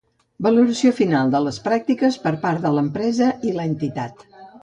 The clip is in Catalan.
Valoració final de les pràctiques per part de l'empresa i l'entitat.